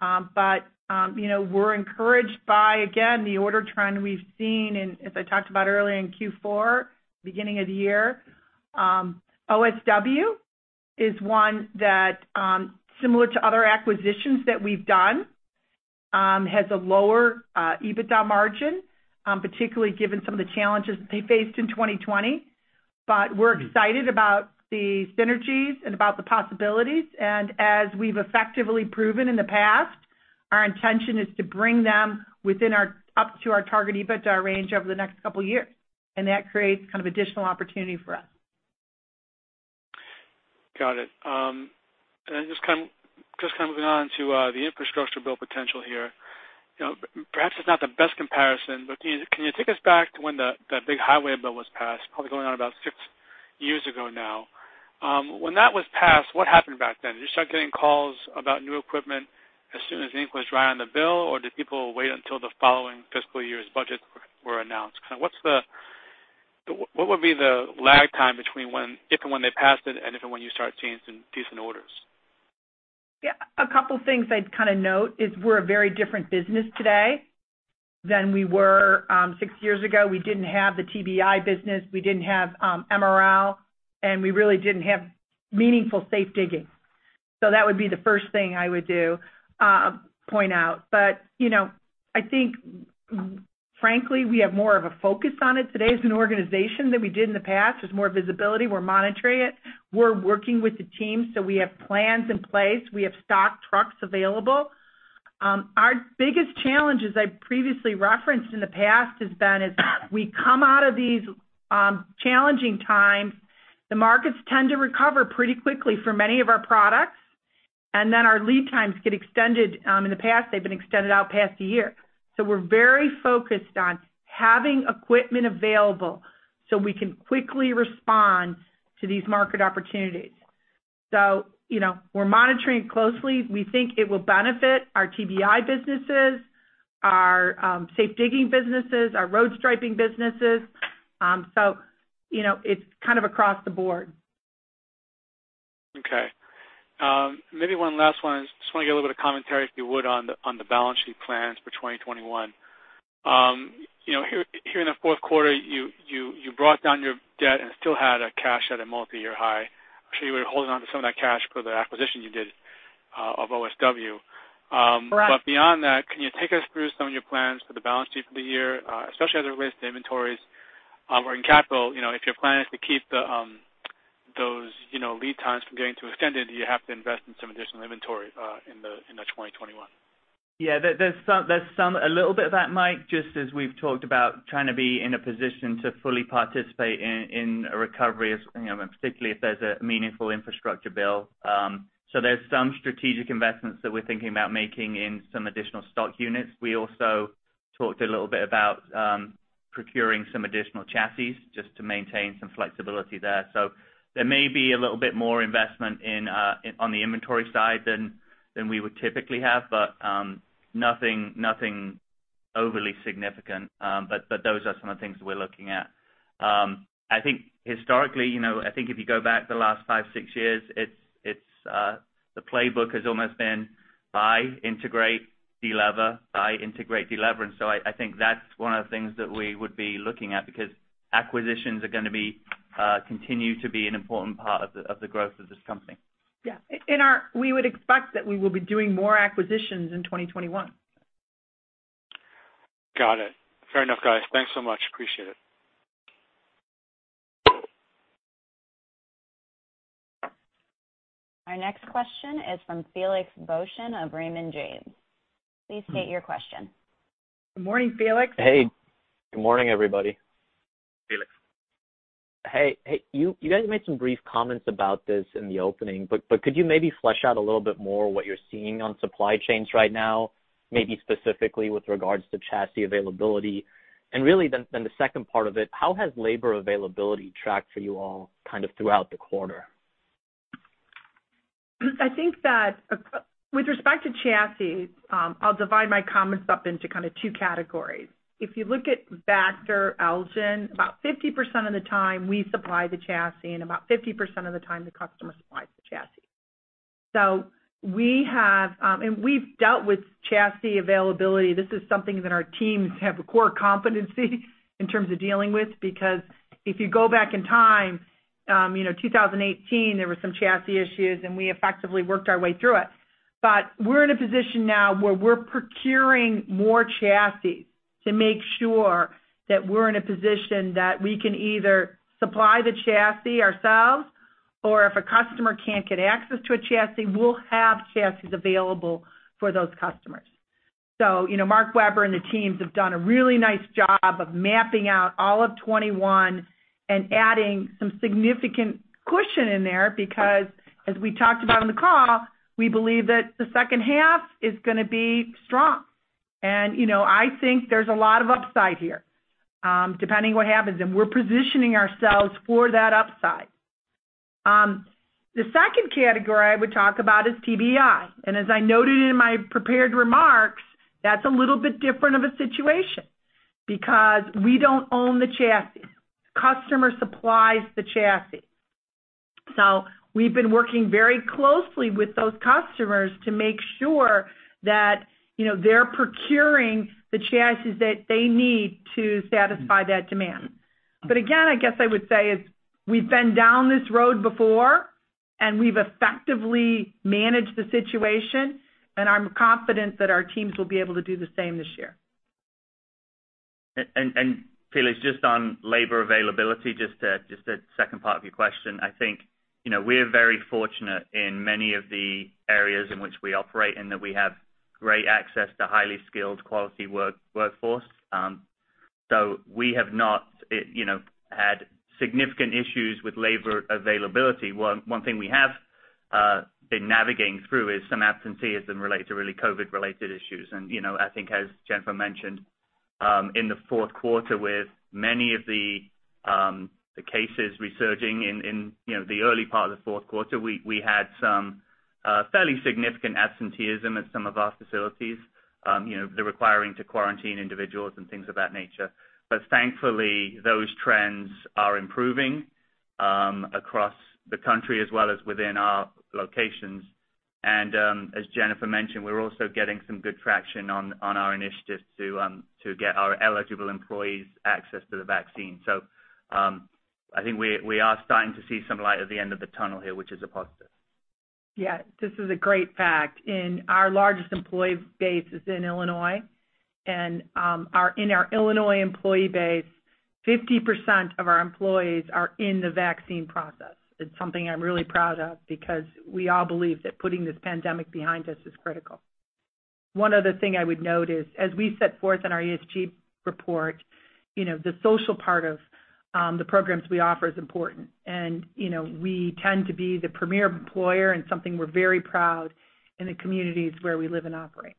We're encouraged by, again, the order trend we've seen in, as I talked about earlier, in Q4, beginning of the year. OSW is one that, similar to other acquisitions that we've done, has a lower EBITDA margin, particularly given some of the challenges they faced in 2020. We're excited about the synergies and about the possibilities. As we've effectively proven in the past, our intention is to bring them up to our target EBITDA range over the next couple of years, and that creates kind of additional opportunity for us. Got it. Just kind of moving on to the infrastructure bill potential here. Perhaps it's not the best comparison, can you take us back to when the big highway bill was passed, probably going on about six years ago now. When that was passed, what happened back then? Did you start getting calls about new equipment as soon as the ink was dry on the bill, or did people wait until the following fiscal year's budgets were announced? What would be the lag time between when, if and when they passed it, and if and when you start seeing some decent orders? A couple things I'd kind of note is we're a very different business today than we were six years ago. We didn't have the TBEI business, we didn't have MRL, and we really didn't have meaningful safe digging. That would be the first thing I would point out. I think frankly, we have more of a focus on it today as an organization than we did in the past. There's more visibility. We're monitoring it. We're working with the teams, so we have plans in place. We have stock trucks available. Our biggest challenge, as I previously referenced in the past, has been as we come out of these challenging times, the markets tend to recover pretty quickly for many of our products, and then our lead times get extended. In the past, they've been extended out past a year. We're very focused on having equipment available so we can quickly respond to these market opportunities. We're monitoring it closely. We think it will benefit our TBEI businesses, our safe digging businesses, our road striping businesses. It's kind of across the board. Maybe one last one. I just want to get a little bit of commentary, if you would, on the balance sheet plans for 2021. Here in the fourth quarter, you brought down your debt and still had a cash at a multi-year high. I'm sure you were holding onto some of that cash for the acquisition you did of OSW. Correct. Beyond that, can you take us through some of your plans for the balance sheet for the year, especially as it relates to inventories? In capital, if your plan is to keep those lead times from getting too extended, do you have to invest in some additional inventory in the 2021? Yeah. There's a little bit of that, Mike, just as we've talked about trying to be in a position to fully participate in a recovery, particularly if there's a meaningful infrastructure bill. There's some strategic investments that we're thinking about making in some additional stock units. We also talked a little bit about procuring some additional chassis just to maintain some flexibility there. There may be a little bit more investment on the inventory side than we would typically have, but nothing overly significant. Those are some of the things that we're looking at. I think historically, I think if you go back the last five years, six years, the playbook has almost been buy, integrate, delever, buy, integrate, delever. I think that's one of the things that we would be looking at, because acquisitions are going to continue to be an important part of the growth of this company. We would expect that we will be doing more acquisitions in 2021. Got it. Fair enough, guys. Thanks so much. Appreciate it. Our next question is from Felix Boeschen of Raymond James. Please state your question. Good morning, Felix. Hey. Good morning, everybody. Felix. Hey. You guys made some brief comments about this in the opening, but could you maybe flesh out a little bit more what you're seeing on supply chains right now, maybe specifically with regards to chassis availability? Really, then the second part of it, how has labor availability tracked for you all kind of throughout the quarter? I think that with respect to chassis, I'll divide my comments up into kind of two categories. If you look at Vactor, Elgin, about 50% of the time we supply the chassis, and about 50% of the time the customer supplies the chassis. We've dealt with chassis availability. This is something that our teams have a core competency in terms of dealing with. Because if you go back in time, 2018, there were some chassis issues, and we effectively worked our way through it. We're in a position now where we're procuring more chassis to make sure that we're in a position that we can either supply the chassis ourselves, or if a customer can't get access to a chassis, we'll have chassis available for those customers. Mark Weber and the teams have done a really nice job of mapping out all of 2021 and adding some significant cushion in there. Because as we talked about on the call, we believe that the second half is going to be strong. I think there's a lot of upside here, depending on what happens, and we're positioning ourselves for that upside. The second category I would talk about is TBEI. As I noted in my prepared remarks, that's a little bit different of a situation because we don't own the chassis. The customer supplies the chassis. We've been working very closely with those customers to make sure that they're procuring the chassis that they need to satisfy that demand. Again, I guess I would say is we've been down this road before, and we've effectively managed the situation. I'm confident that our teams will be able to do the same this year. Felix, just on labor availability, just the second part of your question. I think we're very fortunate in many of the areas in which we operate in that we have great access to highly skilled, quality workforce. We have not had significant issues with labor availability. One thing we have been navigating through is some absenteeism related to really COVID-related issues. I think, as Jennifer mentioned, in the fourth quarter with many of the cases resurging in the early part of the fourth quarter, we had some fairly significant absenteeism at some of our facilities, requiring to quarantine individuals and things of that nature. Thankfully, those trends are improving across the country as well as within our locations. As Jennifer mentioned, we're also getting some good traction on our initiatives to get our eligible employees access to the vaccine. I think we are starting to see some light at the end of the tunnel here, which is a positive. Yeah, this is a great fact. In our largest employee base is in Illinois, and in our Illinois employee base, 50% of our employees are in the vaccine process. It's something I'm really proud of because we all believe that putting this pandemic behind us is critical. One other thing I would note is, as we set forth in our ESG report, the social part of the programs we offer is important. We tend to be the premier employer and something we're very proud in the communities where we live and operate.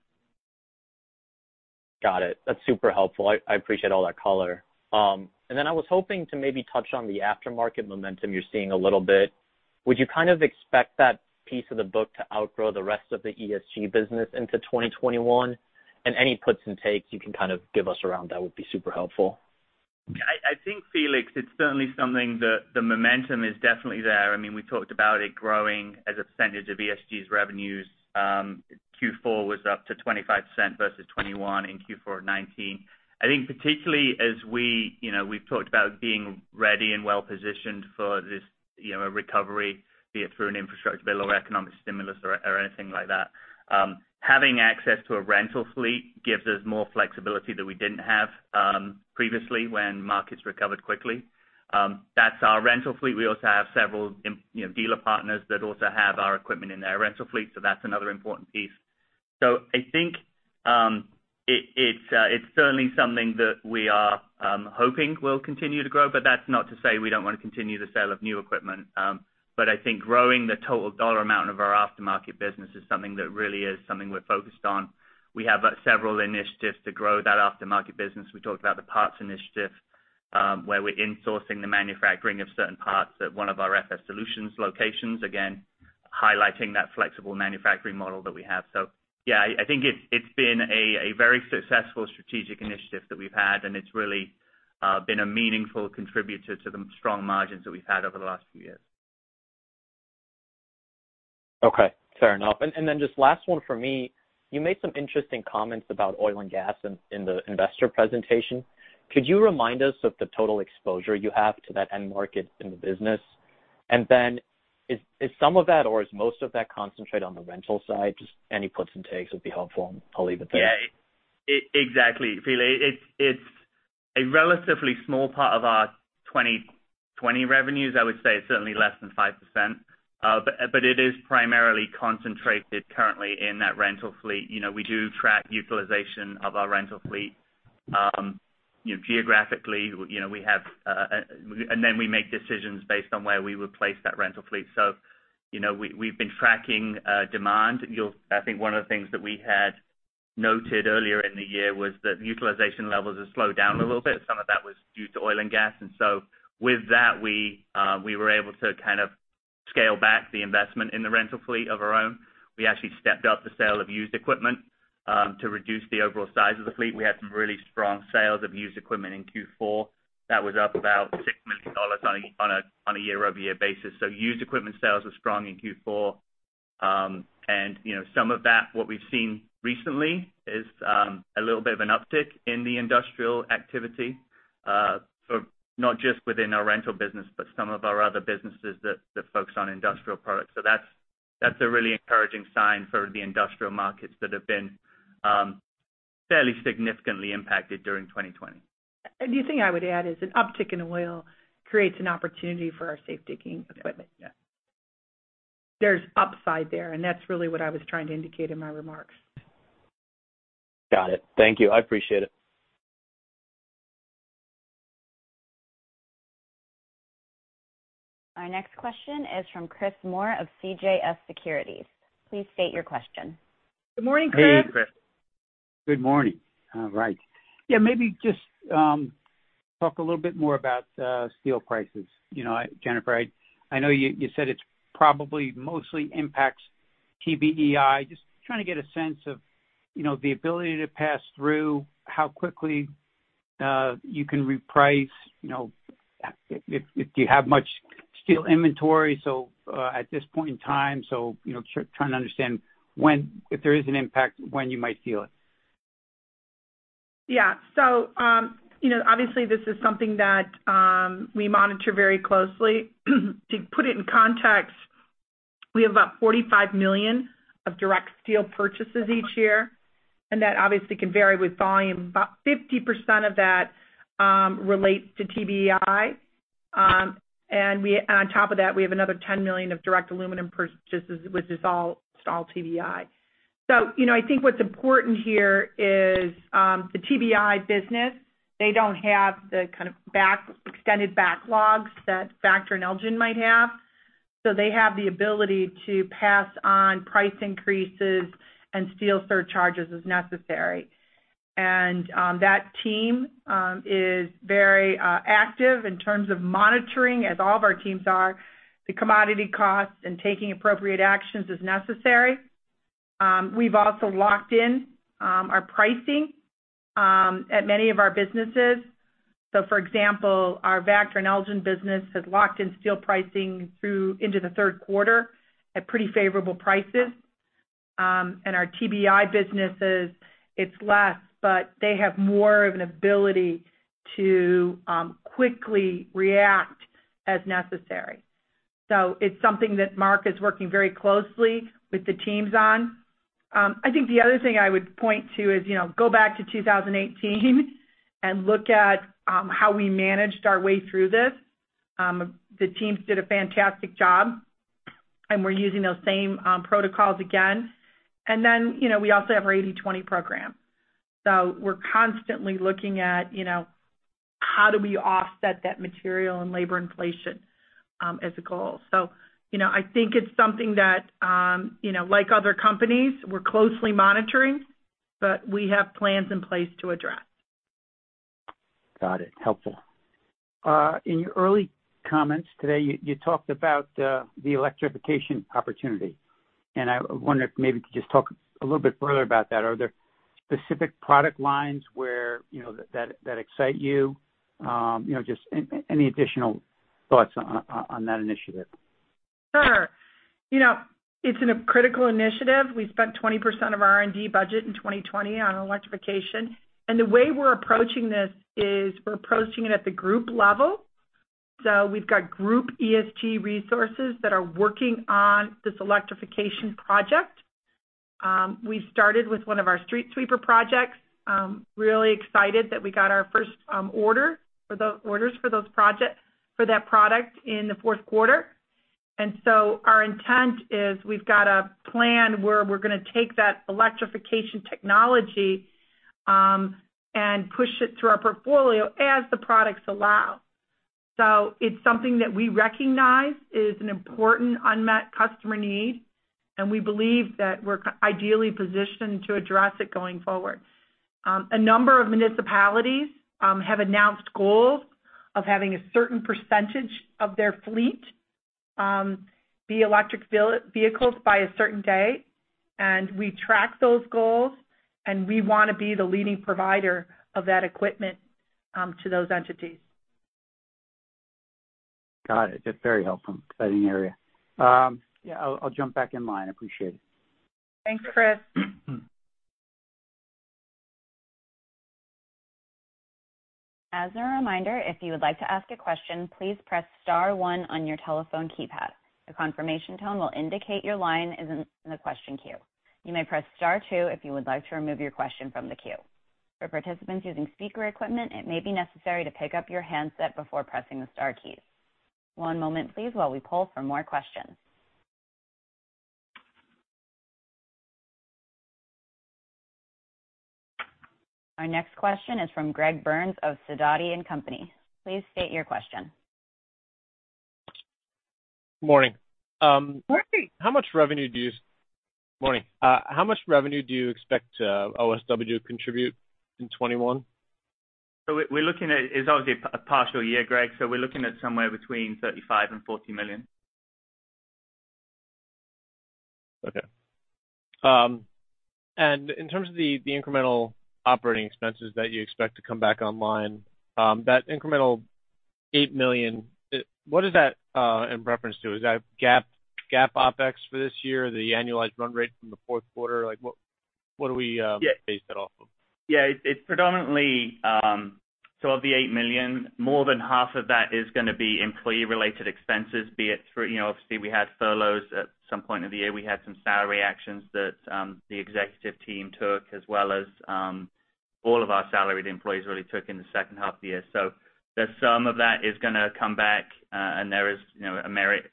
Got it. That's super helpful. I appreciate all that color. I was hoping to maybe touch on the aftermarket momentum you're seeing a little bit. Would you expect that piece of the book to outgrow the rest of the ESG business into 2021? Any puts and takes you can give us around that would be super helpful. I think, Felix, it's certainly something that the momentum is definitely there. We talked about it growing as a percentage of ESG's revenues. Q4 was up to 25% versus 21% in Q4 2019. I think particularly as we've talked about being ready and well-positioned for this recovery, be it through an infrastructure bill or economic stimulus or anything like that. Having access to a rental fleet gives us more flexibility that we didn't have previously when markets recovered quickly. That's our rental fleet. We also have several dealer partners that also have our equipment in their rental fleet, so that's another important piece. I think it's certainly something that we are hoping will continue to grow, but that's not to say we don't want to continue the sale of new equipment. I think growing the total dollar amount of our aftermarket business is something that really is something we're focused on. We have several initiatives to grow that aftermarket business. We talked about the parts initiative, where we're insourcing the manufacturing of certain parts at one of our FS Solutions locations, again, highlighting that flexible manufacturing model that we have. Yeah, I think it's been a very successful strategic initiative that we've had, and it's really been a meaningful contributor to the strong margins that we've had over the last few years. Okay, fair enough. Just last one from me. You made some interesting comments about oil and gas in the investor presentation. Could you remind us of the total exposure you have to that end market in the business? Is some of that or is most of that concentrated on the rental side? Just any puts and takes would be helpful. I'll leave it there. Exactly, Felix. It's a relatively small part of our 2020 revenues. I would say it's certainly less than 5%. It is primarily concentrated currently in that rental fleet. We do track utilization of our rental fleet geographically, then we make decisions based on where we would place that rental fleet. We've been tracking demand. I think one of the things that we had noted earlier in the year was that utilization levels have slowed down a little bit. Some of that was due to oil and gas. With that, we were able to scale back the investment in the rental fleet of our own. We actually stepped up the sale of used equipment to reduce the overall size of the fleet. We had some really strong sales of used equipment in Q4. That was up about $6 million on a year-over-year basis. Used equipment sales were strong in Q4. Some of that, what we've seen recently is a little bit of an uptick in the industrial activity, for not just within our rental business, but some of our other businesses that focus on industrial products. That's a really encouraging sign for the industrial markets that have been fairly significantly impacted during 2020. The thing I would add is an uptick in oil creates an opportunity for our safe digging equipment. Yeah. There's upside there, and that's really what I was trying to indicate in my remarks. Got it. Thank you. I appreciate it. Our next question is from Chris Moore of CJS Securities. Please state your question. Good morning, Chris. Hey. Good morning. All right. Maybe just talk a little bit more about steel prices. Jennifer, I know you said it probably mostly impacts TBEI. Just trying to get a sense of the ability to pass through, how quickly you can reprice, if you have much steel inventory at this point in time? Trying to understand if there is an impact, when you might feel it? Yeah. Obviously, this is something that we monitor very closely. To put it in context, we have about $45 million of direct steel purchases each year, and that obviously can vary with volume. About 50% of that relates to TBEI. On top of that, we have another $10 million of direct aluminum purchases, which is all TBEI. I think what's important here is the TBEI business, they don't have the kind of extended backlogs that Vactor and Elgin might have. They have the ability to pass on price increases and steel surcharges as necessary. That team is very active in terms of monitoring, as all of our teams are, the commodity costs and taking appropriate actions as necessary. We've also locked in our pricing at many of our businesses. For example, our Vactor and Elgin business has locked in steel pricing through into the third quarter at pretty favorable prices. Our TBEI businesses, it's less, but they have more of an ability to quickly react as necessary. It's something that Mark is working very closely with the teams on. I think the other thing I would point to is go back to 2018 and look at how we managed our way through this. The teams did a fantastic job, and we're using those same protocols again. We also have our 80/20 program. We're constantly looking at how do we offset that material and labor inflation as a goal. I think it's something that, like other companies, we're closely monitoring, but we have plans in place to address. Got it. Helpful. In your early comments today, you talked about the electrification opportunity. I wonder if maybe you could just talk a little bit further about that. Are there specific product lines that excite you? Just any additional thoughts on that initiative? Sure. It's in a critical initiative. We spent 20% of our R&D budget in 2020 on electrification. The way we're approaching this is we're approaching it at the group level. We've got group ESG resources that are working on this electrification project. We've started with one of our street sweeper projects. Really excited that we got our first orders for that product in the fourth quarter. Our intent is we've got a plan where we're going to take that electrification technology, and push it through our portfolio as the products allow. It's something that we recognize is an important unmet customer need, and we believe that we're ideally positioned to address it going forward. A number of municipalities have announced goals of having a certain percentage of their fleet be electric vehicles by a certain date. We track those goals, and we want to be the leading provider of that equipment to those entities. Got it. That's very helpful. Exciting area. I'll jump back in line. I appreciate it. Thanks, Chris. As a reminder, if you would like to ask a question, please press star one on your telephone keypad. A confirmation tone will indicate your line is in the question queue. You may press star two if you would like to remove your question from the queue. For participants using speaker equipment, it may be necessary to pick up your handset before pressing the star keys. One moment please while we poll for more questions. Our next question is from Greg Burns of Sidoti & Company. Please state your question. Morning. Morning. How much revenue do you expect OSW to contribute in 2021? We're looking at, it's obviously a partial year, Greg, so we're looking at somewhere between $35 million and $40 million. Okay. In terms of the incremental operating expenses that you expect to come back online. That incremental $8 million, what is that in reference to? Is that GAAP OpEx for this year? The annualized run rate from the fourth quarter? What do we- Yeah.... base that off of? It's predominantly, of the $8 million, more than half of that is going to be employee-related expenses. Be it through, obviously we had furloughs at some point in the year. We had some salary actions that the executive team took as well as all of our salaried employees really took in the second half of the year. The sum of that is gonna come back, and there is a merit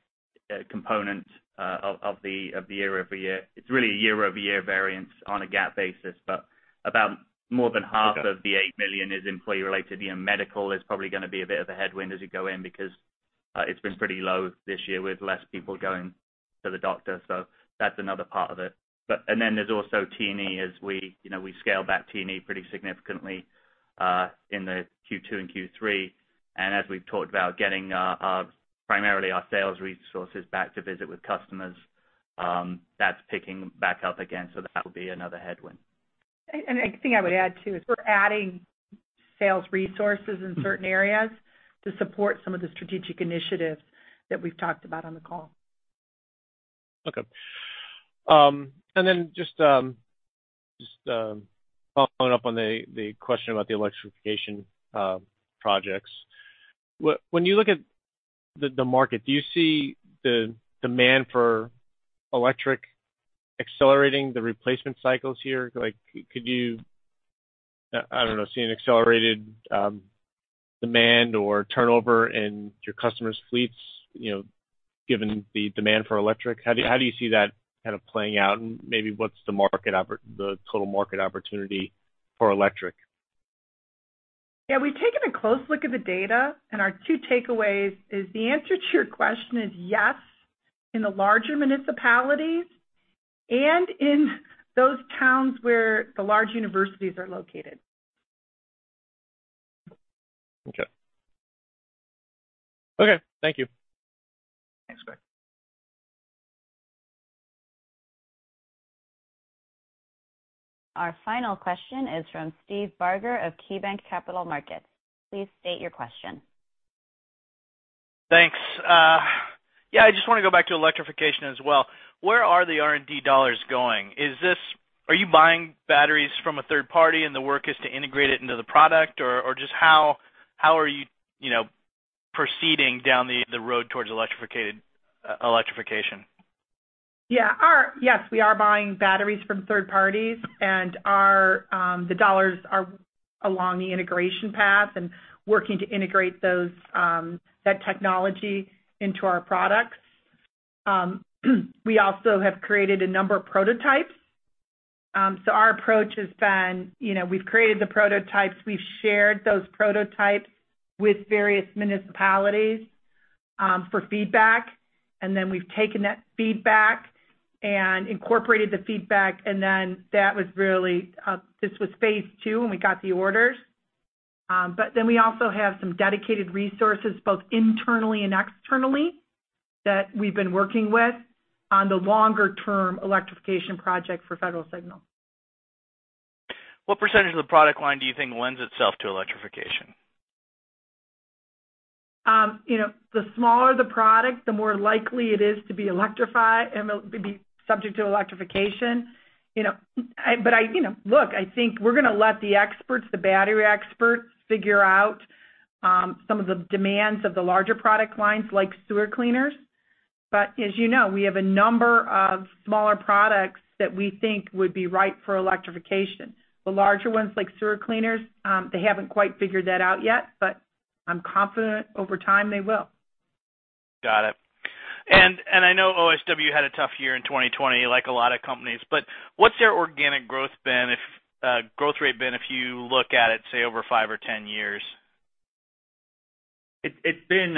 component of the year-over-year. It's really a year-over-year variance on a GAAP basis. Okay. About more than half of the $8 million is employee-related. Medical is probably going to be a bit of a headwind as you go in, because it's been pretty low this year with less people going to the doctor. That's another part of it. There's also T&E as we scale back T&E pretty significantly in the Q2 and Q3. As we've talked about getting primarily our sales resources back to visit with customers, that's picking back up again. That will be another headwind. A thing I would add, too, is we're adding sales resources in certain areas to support some of the strategic initiatives that we've talked about on the call. Okay. Just following up on the question about the electrification projects. When you look at the market, do you see the demand for electric accelerating the replacement cycles here? Could you, I don't know, see an accelerated demand or turnover in your customers' fleets, given the demand for electric? How do you see that kind of playing out? Maybe what's the total market opportunity for electric? Yeah. We've taken a close look at the data. Our two takeaways is the answer to your question is yes, in the larger municipalities and in those towns where the large universities are located. Okay. Okay. Thank you. Thanks, Greg. Our final question is from Steve Barger of KeyBanc Capital Markets. Please state your question. Thanks. Yeah, I just want to go back to electrification as well. Where are the R&D dollars going? Are you buying batteries from a third party, and the work is to integrate it into the product, or just how are you proceeding down the road towards electrification? Yes, we are buying batteries from third parties, and the dollars are along the integration path and working to integrate that technology into our products. We also have created a number of prototypes. Our approach has been, we've created the prototypes, we've shared those prototypes with various municipalities for feedback. Then, we've taken that feedback and incorporated the feedback. This was phase two, and we got the orders. We also have some dedicated resources, both internally and externally, that we've been working with on the longer term electrification project for Federal Signal. What percentage of the product line do you think lends itself to electrification? The smaller the product, the more likely it is to be subject to electrification. Look, I think we're going to let the experts, the battery experts, figure out some of the demands of the larger product lines, like sewer cleaners. As you know, we have a number of smaller products that we think would be right for electrification. The larger ones, like sewer cleaners, they haven't quite figured that out yet, but I'm confident over time they will. Got it. I know OSW had a tough year in 2020, like a lot of companies, but what's their organic growth rate been if you look at it, say, over five or 10 years? It's been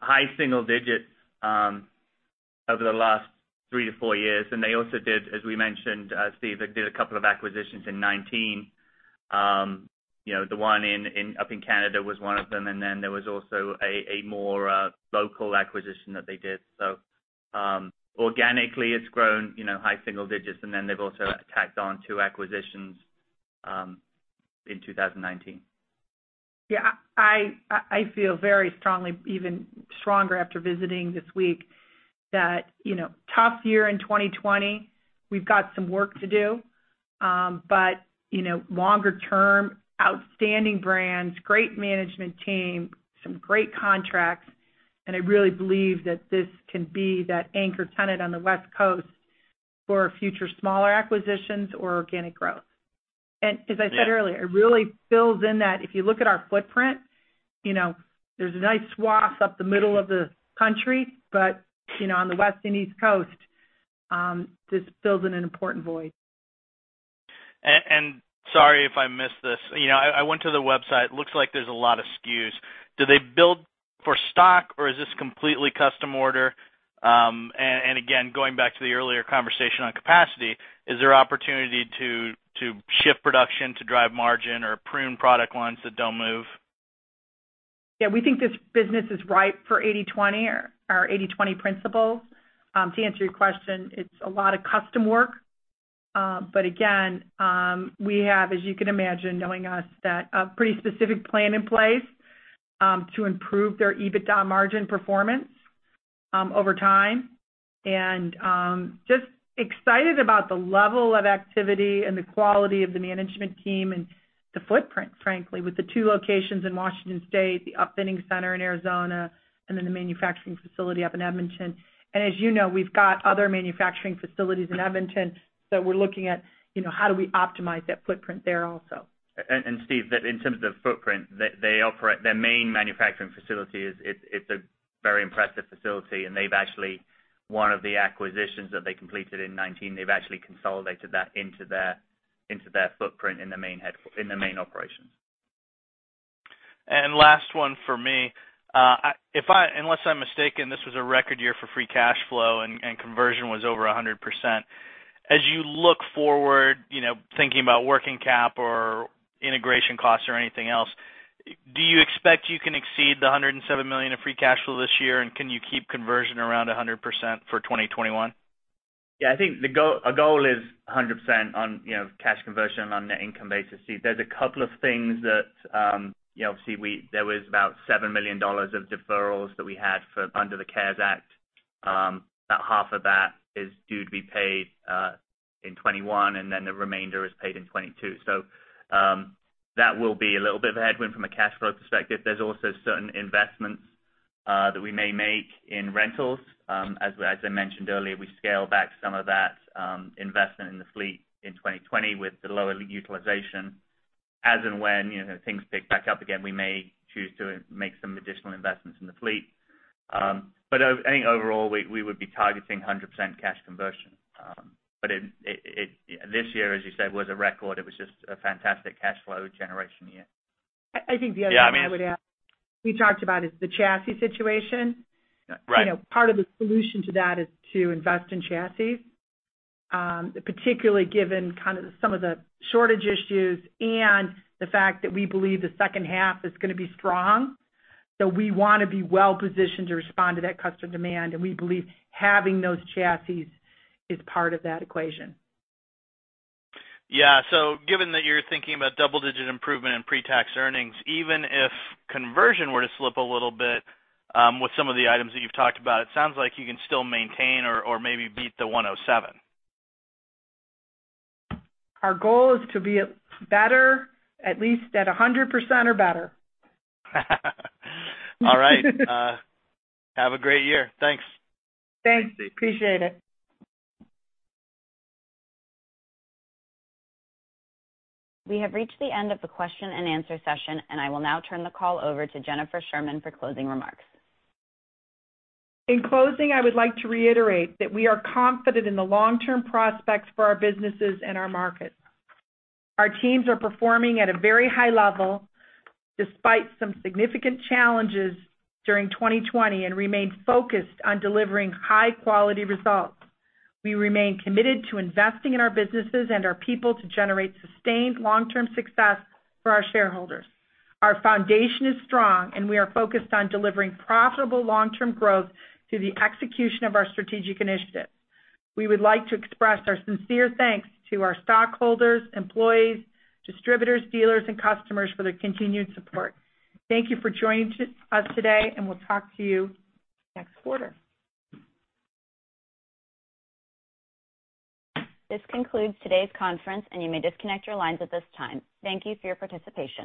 high single-digits over the last three to four years. They also did, as we mentioned, Steve, they did a couple of acquisitions in 2019. The one up in Canada was one of them, and then there was also a more local acquisition that they did. Organically it's grown high single digits, and then they've also tacked on two acquisitions in 2019. Yeah. I feel very strongly, even stronger after visiting this week, that tough year in 2020. We've got some work to do. Longer term, outstanding brands, great management team, some great contracts, and I really believe that this can be that anchor tenant on the West Coast for future smaller acquisitions or organic growth. Yeah. As I said earlier, it really fills in that. If you look at our footprint, there's a nice swath up the middle of the country, but on the West and East Coast, this fills in an important void. Sorry if I missed this. I went to the website. Looks like there's a lot of SKUs. Do they build for stock, or is this completely custom order? Again, going back to the earlier conversation on capacity, is there opportunity to shift production to drive margin or prune product lines that don't move? Yeah. We think this business is ripe for 80/20 or our 80/20 principles. To answer your question, it's a lot of custom work. Again, we have, as you can imagine, knowing us, that a pretty specific plan in place to improve their EBITDA margin performance over time. Just excited about the level of activity and the quality of the management team and the footprint, frankly, with the two locations in Washington State, the upfitting center in Arizona, and then the manufacturing facility up in Edmonton. As you know, we've got other manufacturing facilities in Edmonton that we're looking at how do we optimize that footprint there also. Steve, in terms of footprint. Their main manufacturing facility, it's a very impressive facility. They've actually, one of the acquisitions that they completed in 2019, they've actually consolidated that into their footprint in the main operations. Last one for me. Unless I'm mistaken, this was a record year for free cash flow, and conversion was over 100%. As you look forward, thinking about working cap or integration costs or anything else, do you expect you can exceed the $107 million of free cash flow this year, and can you keep conversion around 100% for 2021? I think our goal is 100% on cash conversion on net income basis. There's a couple of things that, obviously there was about $7 million of deferrals that we had under the CARES Act. About half of that is due to be paid in 2021, and then the remainder is paid in 2022. That will be a little bit of a headwind from a cash flow perspective. There's also certain investments that we may make in rentals. As I mentioned earlier, we scaled back some of that investment in the fleet in 2020 with the lower utilization. As and when things pick back up again, we may choose to make some additional investments in the fleet. I think overall, we would be targeting 100% cash conversion. This year, as you said, was a record. It was just a fantastic cash flow generation year. I think the other thing I would add, we talked about is the chassis situation. Right. Part of the solution to that is to invest in chassis, particularly given kind of some of the shortage issues and the fact that we believe the second half is going to be strong. We want to be well-positioned to respond to that customer demand, and we believe having those chassis is part of that equation. Yeah. Given that you're thinking about double-digit improvement in pre-tax earnings, even if conversion were to slip a little bit with some of the items that you've talked about, it sounds like you can still maintain or maybe beat the $107 million? Our goal is to be better, at least at 100% or better. All right. Have a great year. Thanks. Thanks. Appreciate it. We have reached the end of the question-and-answer session. I will now turn the call over to Jennifer Sherman for closing remarks. In closing, I would like to reiterate that we are confident in the long-term prospects for our businesses and our market. Our teams are performing at a very high level despite some significant challenges during 2020 and remain focused on delivering high-quality results. We remain committed to investing in our businesses and our people to generate sustained long-term success for our shareholders. Our foundation is strong, and we are focused on delivering profitable long-term growth through the execution of our strategic initiatives. We would like to express our sincere thanks to our stockholders, employees, distributors, dealers, and customers for their continued support. Thank you for joining us today, and we'll talk to you next quarter. This concludes today's conference, and you may disconnect your lines at this time. Thank you for your participation.